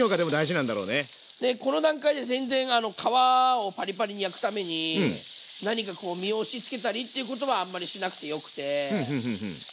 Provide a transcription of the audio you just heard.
この段階で全然皮をパリパリに焼くために何か身を押しつけたりっていうことはあんまりしなくてよくて。